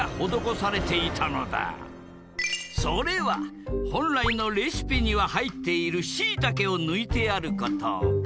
それは本来のレシピには入っているしいたけを抜いてあること。